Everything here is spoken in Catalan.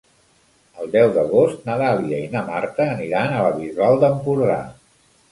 El deu d'agost na Dàlia i na Marta aniran a la Bisbal d'Empordà.